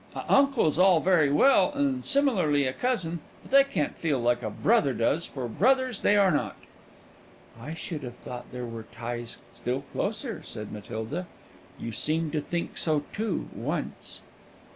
A uncle's all very well, and similarly a cousin; but they can't feel like a brother does, for brothers they are not." "I should have thought there were ties still closer," said Matilda; "you seemed to think so too, once."